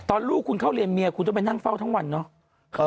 ลูกคุณเข้าเรียนเมียคุณต้องไปนั่งเฝ้าทั้งวันเนอะ